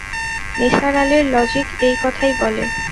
নিসার আলির লজিক এই কথাই বলে।